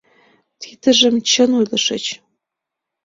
— Тидыжым чын ойлышыч.